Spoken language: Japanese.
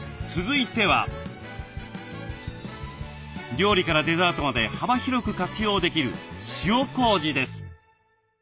料理からデザートまで幅広く活用できる塩こうじです。